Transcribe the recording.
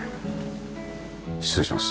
失礼します。